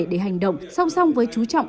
để hành động song song với chú trọng